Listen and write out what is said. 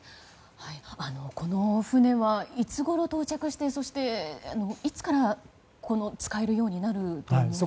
この船はいつごろ到着をしてそして、いつから使えるようになると思いますか？